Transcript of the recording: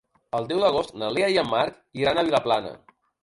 El deu d'agost na Lea i en Marc iran a Vilaplana.